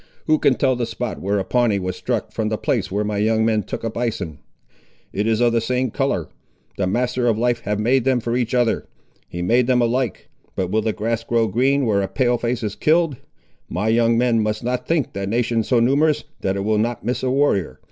Who can tell the spot where a Pawnee was struck, from the place where my young men took a bison? It is of the same colour. The Master of Life made them for each other. He made them alike. But will the grass grow green where a Pale face is killed? My young men must not think that nation so numerous, that it will not miss a warrior.